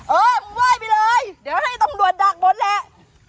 เออว่ายไปเลยเดี๋ยวให้ตำรวจดักบดแหละ